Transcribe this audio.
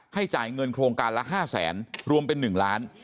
ให้จ่ายเงินโครงการละ๕๐๐๐๐๐บาทรวมเป็น๑ล้านบาท